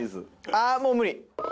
あもう無理。